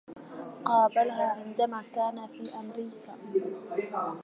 قابلها عندما كان في أمريكا.